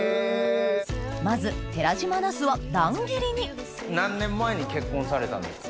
まず寺島ナスは乱切りに何年前に結婚されたんですか？